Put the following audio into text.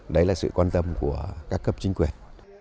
đấy là sự quan tâm của các cấp chính quyền